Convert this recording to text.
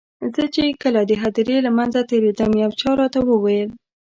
زه چې کله د هدیرې له منځه تېرېدم یو چا راته وویل.